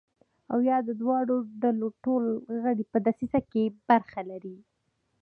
او یا د دواړو ډلو ټول غړي په دسیسه کې برخه لري.